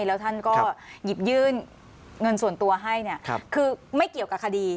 แล้วท่านก็หยิบยื่นเงินส่วนตัวให้เนี่ยคือไม่เกี่ยวกับคดี